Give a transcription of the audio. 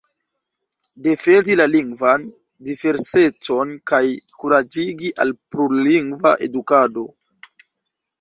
Defendi la lingvan diversecon kaj kuraĝigi al plur-lingva edukado.